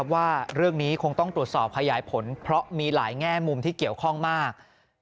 ว่าเรื่องนี้คงต้องตรวจสอบขยายผลเพราะมีหลายแง่มุมที่เกี่ยวข้องมาก